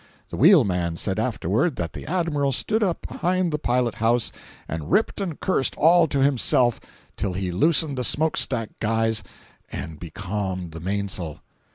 The wheelman said afterward, that the Admiral stood up behind the pilot house and "ripped and cursed all to himself" till he loosened the smokestack guys and becalmed the mainsail.